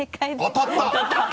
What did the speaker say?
当たった！